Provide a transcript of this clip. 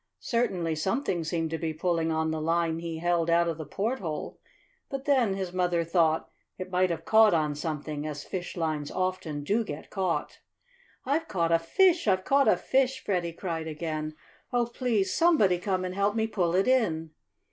Certainly something seemed to be pulling on the line he held out of the porthole, but then, his mother thought, it might have caught on something, as fishlines often do get caught. "I've caught a fish! I've caught a fish!" Freddie cried again. "Oh, please somebody come and help me pull it in!"